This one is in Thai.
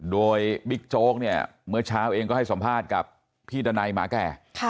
โดยบิ๊กโจ๊กเนี่ยเมื่อเช้าเองก็ให้สัมภาษณ์กับพี่ดันัยหมาแก่